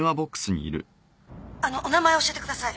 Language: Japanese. ☎あのお名前教えてください。